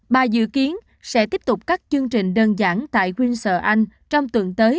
bà dự kiến sẽ tiếp tục các chương trình đơn giản tại winsur anh trong tuần tới